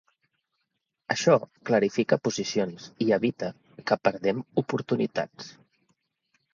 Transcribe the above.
Això clarifica posicions i evita que perdem oportunitats.